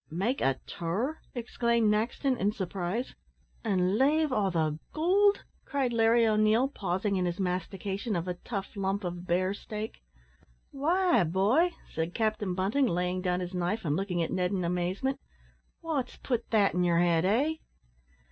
"Make a tour!" exclaimed Maxton, in surprise. "An' lave all the goold!" cried Larry O'Neil, pausing in his mastication of a tough lump of bear steak. "Why, boy," said Captain Bunting, laying down his knife, and looking at Ned in amazement, "what's put that in your head, eh?"